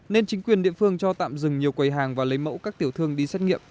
nên chính quyền địa phương cho tạm dừng nhiều quầy hàng và lấy mẫu các tiểu thương đi xét nghiệm